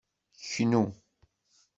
Knnu!